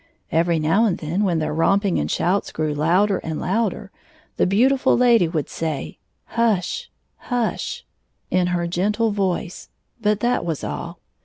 Every now and then, when their romping and shouts grew louder and louder, the beautiftd lady would say, " Hush, hush !" in her gentle voice, but that was all.